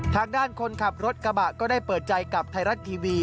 ทางด้านคนขับรถกระบะก็ได้เปิดใจกับไทยรัฐทีวี